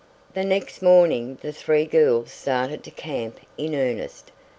The next morning the three girls started to camp in earnest.